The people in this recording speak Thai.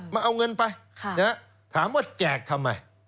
มาเอาเงินไปถามว่าแจกทำไม